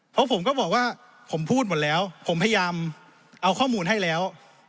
เพราะผมก็บอกว่าผมพูดหมดแล้วผมพยายามเอาข้อมูลให้แล้ว